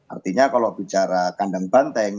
artinya kalau bicara kandang banteng